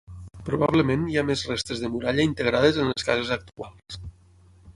Probablement hi ha més restes de muralla integrades en les cases actuals.